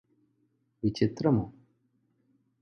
విచిత్రము !